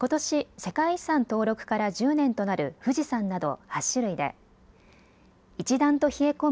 世界遺産登録から１０年となる富士山など８種類で一段と冷え込む